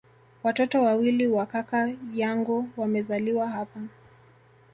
Watoto wawili wa kaka yangu wamezaliwa hapa